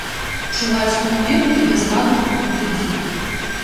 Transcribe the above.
Чуваць стук мэблі і бязладны тупат людзей.